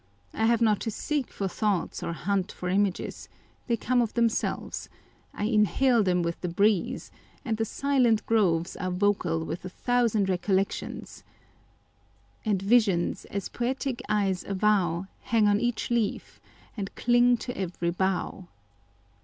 I have not to seek for thoughts or hunt for images : they come of themselves, I inhale Genius and its Powers. 167 theni with the breeze, and the silent groves are vocal with a thousand recollections * And visions, as poetic eyes avow, Hang on each leaf, and cling to ev'ry bough.